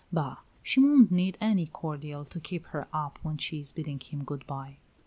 Bah, she won't need any cordial to keep her up when she is bidding him good bye."